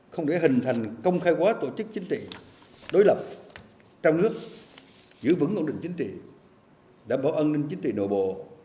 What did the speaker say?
không để hình thành công khai quá tổ chức chính trị đối lập trao nước giữ vững ổn định chính trị đảm bảo an ninh chính trị nội bộ